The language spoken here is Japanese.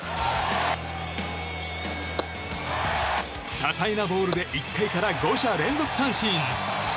多彩なボールで１回から５者連続三振。